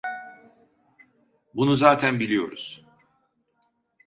Bunu zaten biliyoruz.